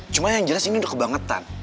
cuma yang jelas ini udah kebangetan